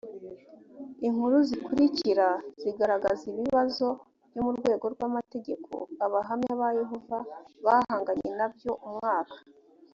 inkuru zikurikira zigaragaza ibibazo byo mu rwego rw amategeko abahamya ba yehova bahanganye na byo umwaka